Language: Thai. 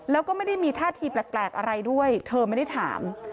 แล้วก็ไม่ได้มีท่าทีแปลกอะไรด้วยเธอไม่ได้ถาม